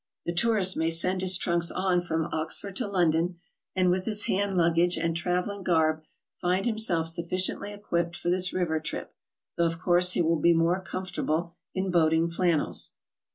The tourist may send his trunks on from Oxford to London, and with his hand lug gage and traveling garb find himself sufficiently equipped for this river trip, though of course he will be more com fortable in boating flannels.